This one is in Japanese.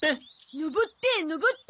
登って登って。